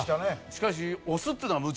しかし。